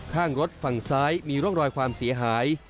ข้างรถฝั่งซ้ายมีร่องรอยความเสียหาย